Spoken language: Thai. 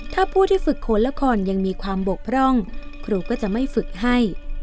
ถ้าผู้ที่ฝึกโคนละครยังมีความบกพร่องครูก็จะไม่ฝึกให้